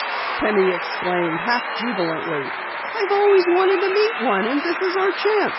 Penny exclaimed, half jubilantly. "I've always wanted to meet one, and this is our chance!"